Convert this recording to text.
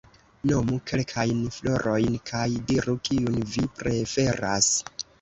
Nomu kelkajn florojn kaj diru, kiun vi preferas?